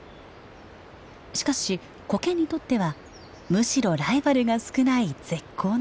しかしコケにとってはむしろライバルが少ない絶好の場所なのです。